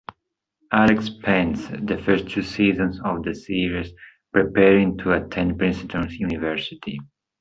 Alex spends the first two seasons of the series preparing to attend Princeton University.